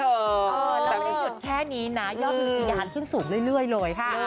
แล้วมันถึงแค่นี้นะยอดมือริยาลขึ้นสูงเรื่อยเลยค่ะ